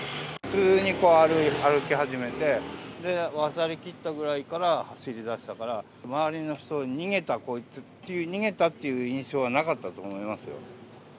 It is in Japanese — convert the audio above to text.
普通にこう、歩き始めて、渡りきったぐらいから走りだしたから、周りの人、逃げたこいつっていう、逃げたっていう印象はなかったと思います